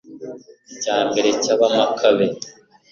icyambere cy'abamakabe ,